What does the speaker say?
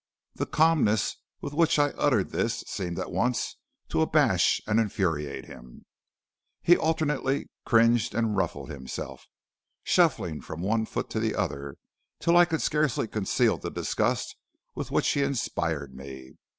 "The calmness with which I uttered this seemed at once to abash and infuriate him. "He alternately cringed and ruffled himself, shuffling from one foot to the other till I could scarcely conceal the disgust with which he inspired me.